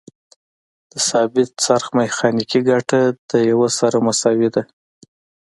د ثابت څرخ میخانیکي ګټه د یو سره مساوي ده.